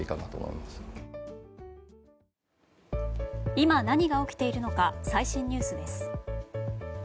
今、何が起きているのか最新ニュースです。